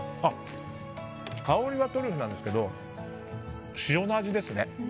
香りはトリュフなんですけど塩の味ですね。